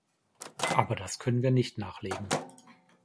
Aber das können wir nicht nachlegen.